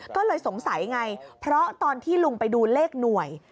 ก็เลยสงสัยไงเพราะตอนที่ลุงไปดูเลขหน่วย